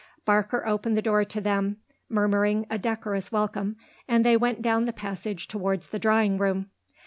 Barker opened the door to them, murmuring a decorous welcome and they went down the passage towards the drawing room.